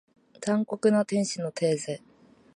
残酷な天使のテーゼ